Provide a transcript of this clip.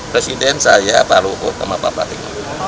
presiden saya pak luhut sama pak pratik